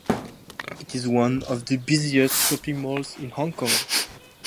It is one of the busiest shopping malls in Hong Kong.